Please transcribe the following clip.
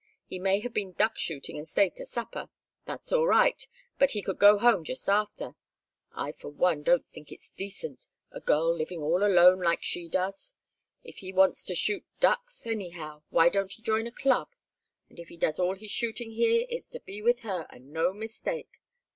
He may have been duck shooting and stayed to supper. That's all right, but he could go home just after. I for one don't think it's decent a girl living all alone like she does. If he wants to shoot ducks, anyhow, why don't he join a club? If he does all his shooting here it's to be with her, and no mistake.